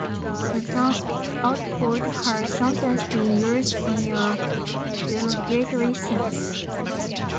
The term outport has sometimes been used in a derogatory sense.